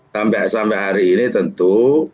sampai hari ini tentu